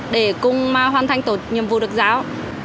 để cùng hoàn thành tổ nhiệm vụ được giáo